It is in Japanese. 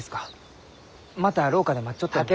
また廊下で待っちょっても。